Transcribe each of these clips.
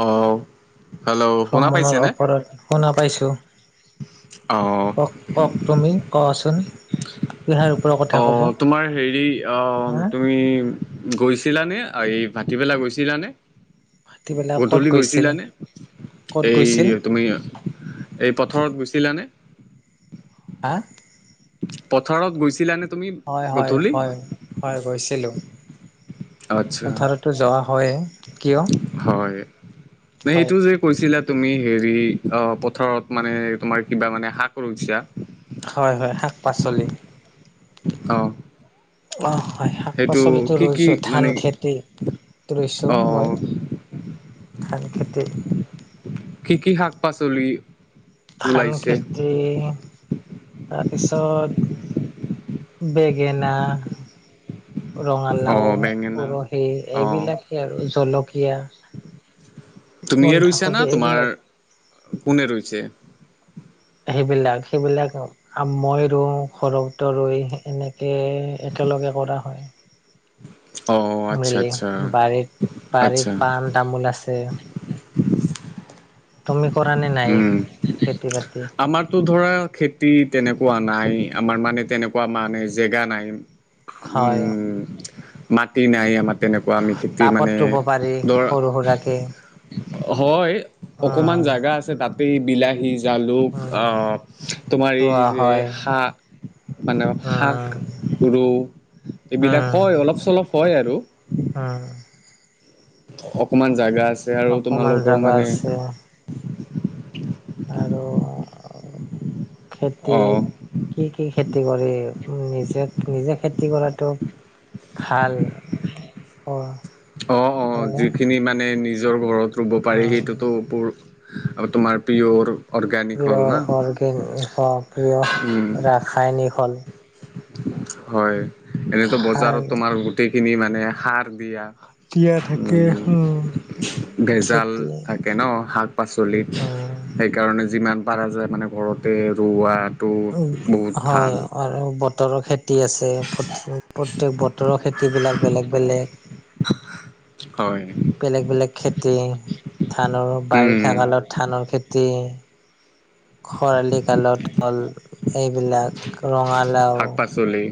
অ, hello শুনা ভ্ৰমণৰ পাইছেনে? ওপৰত শুনা পাইছো। অঁ। কওক কওক তুমি। কোৱাচোন কিহাৰ ওপৰৰ কথা ক'ব অহ তোমাৰ হেৰি আহ হা তুমি গৈছিলানে আই ভাটি পেলাই গৈছিলানে? ভাটিবেলা ক'ত গধূলি গৈছিল গৈছিলানে, ক'ত এই গৈছিল তুমি এই পথাৰত গুচিলানে? হা? পথাৰত গৈছিলানে তুমি হয় হয় গধূলি? হয় হয় গৈছিলোঁ। আচ্ছা, পথাৰতো যোৱা হয় কিয়? হয়। নে হয়। সেইটো যে কৈছিলা তুমি হেৰি অ পথাৰত মানে তোমাৰ কিবা মানে শাক ৰুইছা? হয় হয় শাক -পাচলি। অহ। অ হয় শাক পাচলিটো কি ৰুইছো, মানে ধান খেতি টো ৰুইছো অ', মই। ধান খেতি। কি কি শাক পাচলি? ধান ওলাইছে? খেতি তাৰপিছত বেগেনা, অ ৰঙালাও, বেঙেনা উৰহি অ এইবিলাকেই আৰু জলকীয়া, তুমিয়ে ৰুইছা না বন্ধাকবি তোমাৰ এইবিলাক। কোনে ৰৈছে? সেইবিলাক সেইবিলাক [inaudible] আ মই ৰুওঁ ঘৰুতে ৰুইয়ে এনেকে একেলগে কৰা হয়। অ আচ্ছা মিলি আচ্ছা বাৰীত আচ্ছা বাৰীত পাণ তামোল আছে। তুমি কৰা নে নাই খেতি বাতি? তুৰ ধৰা খেতি তেনেকুৱা নাই আমাৰ মানে তেনেকুৱা মানে জেগা নাই। হয় উম মাটি নাই আমাৰ। তেনেকুৱা আমি খেতি টাবত মানে ৰুব পাৰি ধৰ সৰু সুৰাকে হয় অকমান উম জাগা আছে তাতেই বিলাহী জালুক আ উম তোমাৰ এই ৰোৱা যে হয় শাক মানে শাক উম ৰুও এইবিলাক হয় অলপ চলপ হয় আৰু। হুম। অকমান জাগা আছে আৰু অকমান তোমালোকৰ জাগা মানে আছে আৰু খেতি অ কি কি খেতি কৰে, নিজে নিজে খেতি কৰাটো ভাল। অ [unintelligible] অ অ হয়নে যিখিনি মানে নিজৰ ঘৰত ৰুব অ পাৰি সেইটো তোৰ আ তোমাৰ পিঅ অৰু। প্ৰিয় অৰ্গেন অ প্ৰিয় উম ৰাসায়নিক হল। হয় এনেতো খাৰ বজাৰত তোমাৰ গোটেইখিনি মানে সাৰ দিয়া। দিয়া থাকে উম ভেজাল খেতি থাকে ন শাক পাচলিত উম সেইকাৰণে যিমান পাৰা যায় মানে ঘৰতে ৰোৱাত টো বহুত হয় ভাল। আৰু বতৰ খেত টি আছে প্ৰত্যেক বতৰৰ খেতিবিলাক বেলেগ বেলেগ। হয় বেলেগ বেলেগ খেতি ধানৰ উম বাৰিষা কালত ধানৰ খেতি খৰালি কালৰ হল এইবিলাক ৰঙালাও চুলি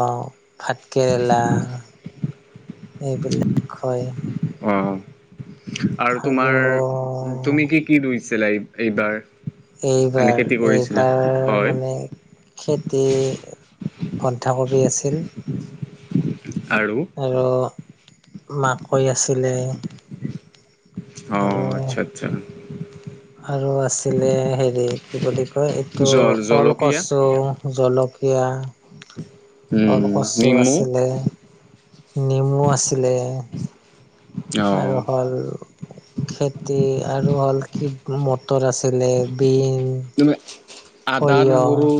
অ ভাতকেৰেলা এইবিলাক হয় অঁ আৰু তোমাৰ তুমি কি কি ৰুইছিলা এই এইবাৰ মানে এইবাৰ খেতি কৰিছিলা? এইবাৰ হয় মানে খেতি বন্ধাকবি আছিল আৰু আৰু মাকৈ আছিলে অঁ আৰু আচ্ছা আচ্ছা আৰু আছিলে হেৰি কি বুলি কয় এইটো জল জলকীয়া ওলকচু জলকীয়া উম ওলকচু নীমু আছিলে নেমু আছিলে অঁ আৰু হ'ল খেতি আৰু হ'ল কি ম তৰ আছিলে বিন তুমি আদা সৰিয়হ নহৰু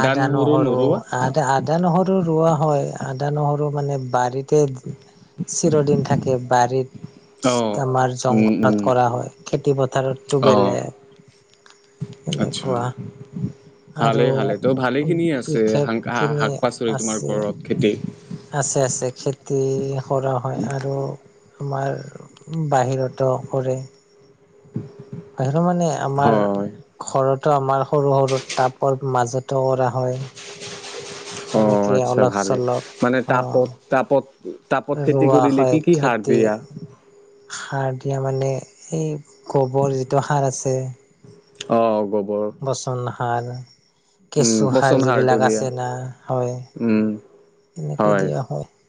আদা নহৰু আদা আ আদা নহৰু ৰোৱা হয় আদা নহৰু মানে বাৰীতে চিৰদিন থাকে বাৰীত অঁ আমাৰ উম উম জংঘলত কৰা হয় খেতি পথাৰতটো অঁ বেলেগ আচ্ছা এনেকুৱা ভালে আৰু ভালে ত' ভালে খিনিয়ে আছে বিশেষ খিনি শাক পাচলি তোমাৰ আছে ঘৰত খেতি আছে আছে খেতি সৰহ হয় আৰু আমাৰ বাহিৰতো কৰে [inaudible] তাৰ মানে আমাৰ হয় ঘৰতো আমাৰ সৰু সৰু টাপৰ মাজতো কৰা হয় [unintelligible] অ তেনেকে আচ্ছা অলপ ভালে চলপ মানে অ তাপত তাপত তাপত খেতি ৰোৱা কৰিলে হয় কি কি হাৰ খেতি দিয়া সাৰ দিয়া মানে এই গোবৰ যিটো সাৰ আছে অ গোবৰ পচন সাৰ উম কেঁচু সাৰ পচন সাৰটো যিবিলাক দিয়া আছে না হয় উম তেনেকৈ দিয়া হয় [unintelligible]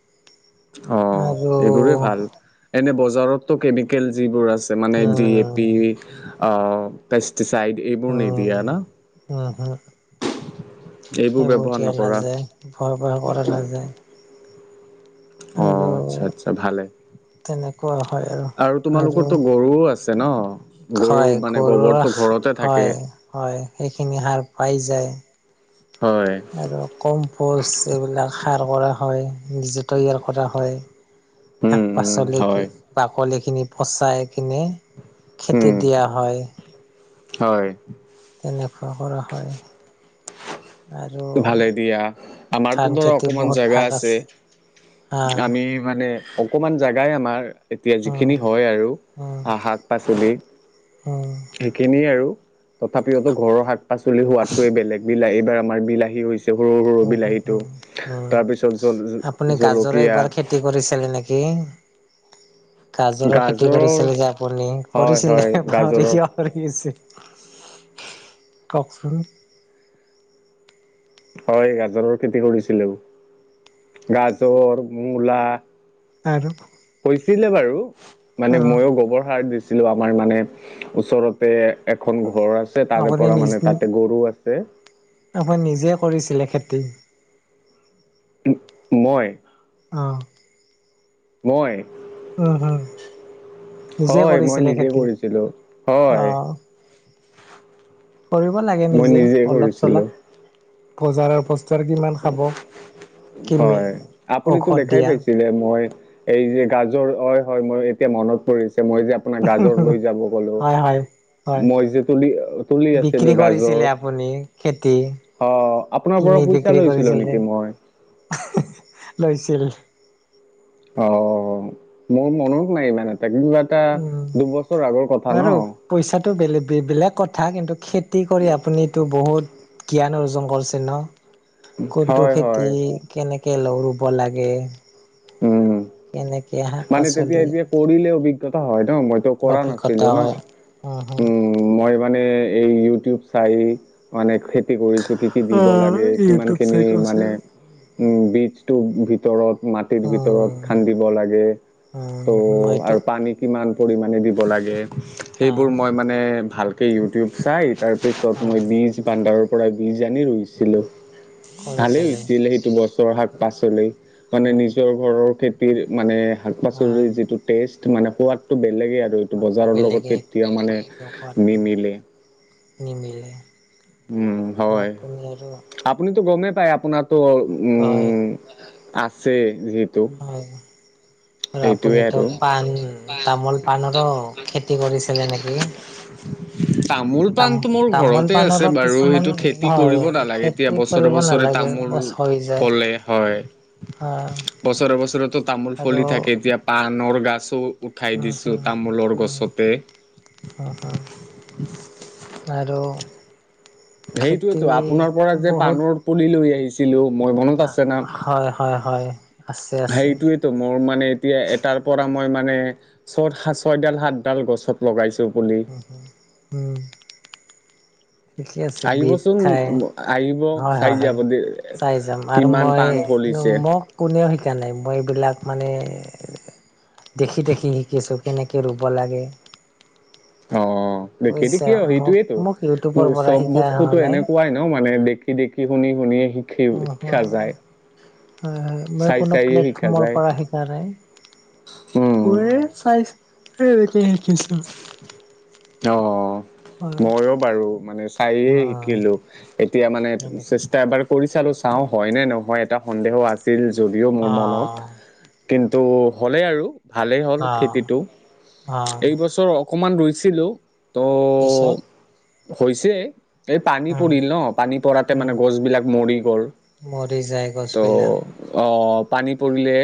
অ আৰু এইবোৰে ভাল এনে বজাৰতো কেমিকেল যিবোৰ আছে মানে ড এ উম পি অ পেষ্টিচাইড এইবোৰ নিদিয়া না উ হু [inaudible] এইবোৰ ব্যৱহাৰ নকৰা ভৰ ভৰ কৰে লাগি যায় অ আচ্ছা আচ্ছা ভালে তেনেকুৱা হয় আৰু তোমালোকোৰ তো আৰু গৰুও আছে ন গৰুৰ হয় মানে গৰুৰ গোবৰটো ঘৰতে থাকে হয় হয় সেইখিনি সাৰ পাই যায় হয় আৰু কম্পোষ্ট এইবিলাক সাৰ কৰা হয় নিজে তৈয়াৰ কৰা হয় শাক উম উম পাচলি হয় বাকলিখিনি পচাই কিনে খেতিত উম দিয়া হয় হয় তেনেকুৱা কৰা হয় আৰু ভালে দিয়া ধান আমাৰতো ধৰা খেতি অকমান বহুত জেগা ভাগ আছে হা আমি মানে অকমান জাগাই আমাৰ এতিয়া উম যিখিনি হয় আৰু শাক পাচলি উ [unintelligible] সেইখিনিয়ে আৰু তথাপিও ঘৰৰ শাক পাচলি সোৱাদোৱে বেলেগ বিলাহী এইবাৰ আমাৰ বিলাহী ৰুয়ছো সৰু সৰু উম উম বিলাহীটো উম উম তাৰ পিছত জ জলকীয়া কৰিছিল নেকি কি গাজৰৰ খেতি কৰিছিলে যে আপুনি হয় হয় কৰিছিলে পাহৰি গাজৰৰ কিয় আৰু কি কওকচোন [inaudible] হয় গাজৰৰ খেতি কৰিছিলো গাজৰ মূলা আৰু হৈছিলে বাৰু অ মানে ময়ো গোবৰ সাৰ দিছিলো আমাৰ মানে ওচৰত তাতে এখন ঘৰ আছে তাৰে আপুনি পৰা মানে তাতে গৰু আছে আমাৰ নিজে কৰিছিলে খেতি মই অ মই উম উম নিজে হয় মই কৰিছিলে নিজে খেতি কৰিছিলো হয় আহ কৰিব লাগে মই নিজে অলপ কৰিছিলো চলপ বজাৰৰ কিমান খাব কিমি হয় আপুনিতো ঔষধ দেখাই দিয়া পাইছিলে মই এই যে গাজৰ হয় হয় মই এতিয়া মনত পৰিছে মই যে আপোনাৰ গাজৰ লৈ যাব গলো হয় হয় হয় [inaudible] মই যে তুলি তুলি আছিলো বিক্ৰী গাজৰ কৰিছিলে আপুনি খেতি অ আপোনাৰ কিনি বৰছে [inaudible] বিক্ৰী কৰিছিল যে লৈছিল অ মোৰ মন নাই ইমান এটা কিবা এটা উম দুবছৰ আগৰ কথা বাৰু ন পইচাটো, বেলেগ বেলেগ কথা, কিন্তু, খে খেতি কৰি, আপুনিতো, বহুত জ্ঞান অৰ্জন কৰিছে, ন? কোনটো হয় খেতি, হয় কেনেকে ৰুব লাগে। উম কেনেকে? শাক মানে, তেতিয়া, পাচলি এতিয়া কৰিলে, অভিজ্ঞতা হয়, ন। মইতো, কৰা অভিজ্ঞতা নাছিলোঁ, ন। হয় উম হম উম। মই, মানে, এই ইউটিউব চাই মানে, খেতি কৰিছোঁ। কি কি দিব লাগে, অ ইউটিউব কিমানখিনি, চাই কৰিছে মানে। উম, বীজটো, মাটিৰ ভিতৰত, উম খান্দিব লাগে। তে, উম মইতো আৰু, পানী, কিমান পৰিমাণে দিব লাগে। অ সেইবোৰ, মই, মানে, ভালকে, ইউটিউব চাই। তাৰ পিছত, অ মই, বজ বান্দাৰৰ পৰা, বীজ আনি, ৰুইছিলোঁ। ভালেই কৰিছিলে হৈছিল, সেইটো। গছৰ, শাক-পাচলি, মানে, অ নিজৰ ঘৰৰ খেতিৰ, মানে, অ শাক-পাচলিৰ যিটো টেষ্ট, মানে, সোৱাদটো, বেলেগেই। আৰু, এইটো, সোৱাদটো বজাৰৰ লগত, বেলেগেই এইটো কেতিয়াও, মানে, নিজৰ সোৱাদটো নিমিলে। নিমিলে। উম্, আৰু হয়। আপুনি আৰু আপুনিতো গমেই পায়, আপোনাত ত' কয় উম্, আছে যিহেতু। হয়। আৰু এইটোৱে আপুনিতো আৰু পাণ, তামোল-পাণৰো খেতি কৰিছিলে নেকি? হহহ্। তাম তামোল-পাণতো মোৰ তামোল ঘৰতে আছে পাণৰো বাৰু! কিছুমান সেইটো খেতি কৰিব হয় নালাগে। এতিয়া খেতি বছৰে কৰিব বছৰে নালাগে তামোল ক'লে হয়। অ'। বছৰে বছৰে তামোল ফুলি থাকে। এতিয়া পাণৰ গছোঁ উঠাই উম দিছোঁ, হম তামোলৰ উম গছতে। হম হম আৰু খেতি সেইটোয়েইতো, আপোনাৰ পৰা যে বহুত পাণৰ পুলি লৈ আহিছি ছিলো, মোৰ মনত আছে না। হয় হয় হয় আছে আছে হেৰিটোৱে মোৰ মানে এতিয়া, এটাৰ পৰা মই মানে ছয়ডাল, সাতডাল গছত লগাইছোঁ। উম্, উম্। ঠিকে আছে। বিট আহিবচোন খাই, আহিব হয় চাই হয় হয়, যাব দে চাই যাম আৰু কিমান মই পাণ এক ফলিছে নম্ব কোনেও শিকা নাই। মই এইবিলাক মানে দেখি দেখি শিকিছোঁ। কেনেকৈ ৰুব লাগে! অ', দেখাতো বুজিছা কিয় মোক সেইটোয়েইতো। মোক ইউটিউবৰ মোৰ পৰা চব শিকা হোৱা বস্তুতো নাই এনেকুৱাই ন মানে। দেখি দেখি, শুনি শুনিয়েই, শিকি অ' শিকা যায়। হয়, হয়। মই চাই কোনো চাইয়ে শিকা প্লেটফৰ্মৰ যায় পৰা শিকাঁ নাই। উম ওৱে, চাইস এতিয়া শিকিছোঁ। অ', অ'। মইও বাৰু, মানে চাইয়েই শিকিলোঁ। উম এতিয়া মানে এনেকে এবাৰ কৰি চালোঁ, চাওঁ হয় নে নহয়। এটা সন্দেহ আছিল, যদিও অ মোৰ মনত। কিন্তু হ'লেই আৰু ভালেই হ'ল, অ খেতিটো। অ এইবছৰ অকণমান ৰুইছিলোঁ। ত' পিছত। হৈছে, এই পানী উম পৰিল ন! পানী পৰাতেই উম মানে গছবিলাক, মৰি গ'ল। মৰি যায়, ত' গছবিলাক। অ', পানী পৰিলে,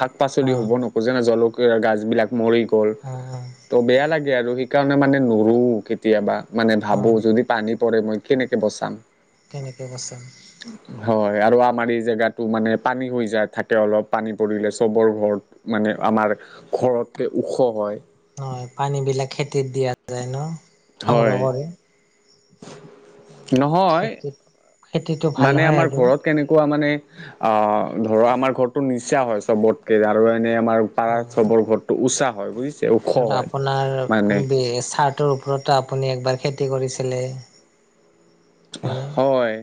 শাক-পাচলি অ হ'ব ন। আকৌ জানাঁ জলকীয়াৰ গছবিলাক মৰি গ'ল। অ', অ', ত' বেয়া লাগে আৰু। সেইকাৰণে মানে নৰো কেতিয়াবা, মানে অ ভাবোঁ যদি। পানী পৰে, মই কেনেকে বচাম? কেনেকৈ বচাম। হয় আৰু আমাৰ এই জেগাতো মানে পানী হৈ যায়, থাকে অলপ পানী পৰিলে চবৰ ঘৰত মানে আমাৰ ঘৰতকে ওখ হয়। হয়, পানী বিলাক খেতিত দিয়া যায় ন! সংগ্ৰহ হয়। কৰে নহয়, খেতিত খেতিটো ভাল মানে হয় আমাৰ আৰু ঘৰত। কেনেকুৱা মানে অ', ধৰ আমাৰ ঘৰটো নিচা হয়। চবতকে আৰু এনে আমাৰ অ পাৰাৰ চবৰ ঘৰটো উচা হয় বুজিছে। ওখ আৰু হয় আপোনাৰ মানে চাৰ্তৰ ওপৰতো আপুনি একবাৰ খেতি কৰিছিলে। হয়নে হয়।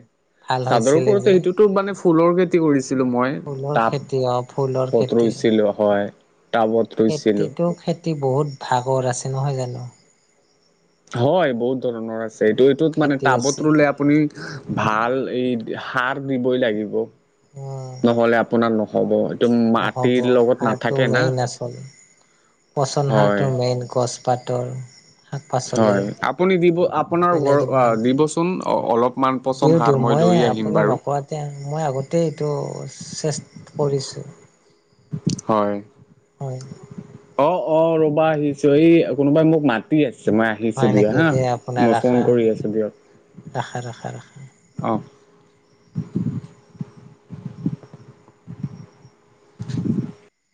ভাল চাদৰ হৈছিলে ওপৰতে যে সেইটোতো মানে ফুলৰ খেতি কৰিছিলো মই ফুলৰ টাব খেতি অ ফুলৰ বত ৰৈছিলো। হয়, টাবত। ৰুইছিলো খেতিতো, খেতি বহুত ভাগৰ আছে নহয় জানো। হয়, বহুত ধৰণৰ আছে, এইটো এইটোত মানে খেতি টাবত আছে ৰুলে আপুনি ভাল, এই সাৰ দিবই লাগিব। উম নহ'লে, আপোনাৰ নহ'ব, এইটোম নহ'ব, সাৰটো মেইন আচল, পচন হয় সাৰটো মেইন গছ পাতৰ। হয়, আপুনি দিব, আপোনাৰ পেলাই ঘৰৰ, দিব আ নালাগে দিবচো চোন অ', অলপমান পচন সাৰ মই লৈ আহিম বাৰু। তেন মই আগতেই এইটো চেষ্ট কৰিছোঁ। হয়। উম। অ', অ', ৰ'বা আহিছো, এই কোনোবাই মোক মা তি আছে, মই আহিছো হয় দিয়া নেকি হা, এতিয়া আপোনাৰ মই ফোন আশা কৰি আছো দিয়ক। আশা আশা আশা অ'